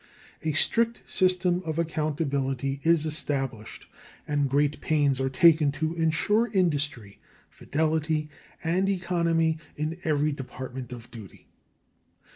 A strict system of accountability is established and great pains are taken to insure industry, fidelity, and economy in every department of duty.